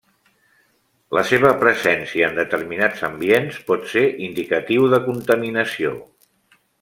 La seva presència en determinats ambients pot ser indicatiu de contaminació.